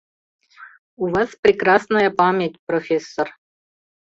У вас прекрасная память, профессор.